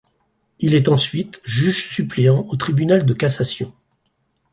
Il est ensuite juge suppléant au tribunal de Cassation.